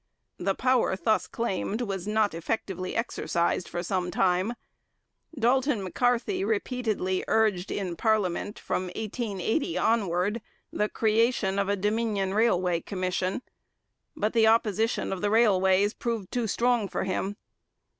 The power thus claimed was not effectively exercised for some time. D'Alton M'Carthy repeatedly urged in parliament from 1880 onward the creation of a Dominion Railway Commission, but the opposition of the railways proved too strong for him.